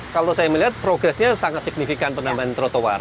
kalau saya melihat progresnya sangat signifikan penambahan trotoar